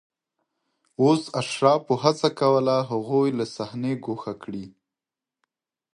اوس اشرافو هڅه کوله هغوی له صحنې ګوښه کړي